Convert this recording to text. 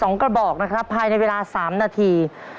กล่อข้าวหลามใส่กระบอกภายในเวลา๓นาที